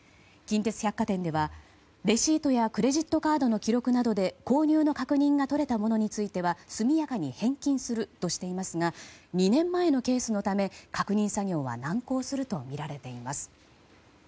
近鉄百貨店ではレシートやクレジットカードの記録などで購入の確認が取れたものについては速やかに返金するとしていますが２年前のケースのため確認作業は難航するとみられています。